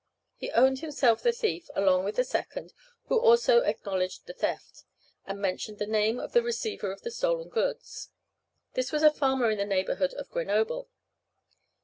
He owned himself the thief, along with the second, who also acknowledged the theft, and mentioned the name of the receiver of the stolen goods. This was a farmer in the neighborhood of Grenoble.